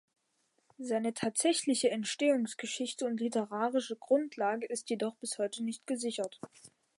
Seine tatsächliche Entstehungsgeschichte und literarische Grundlage ist jedoch bis heute nicht gesichert.